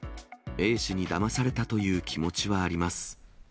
Ａ氏にだまされたという気持ちはあります。